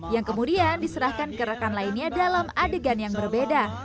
yang kemudian diserahkan ke rekan lainnya dalam adegan yang berbeda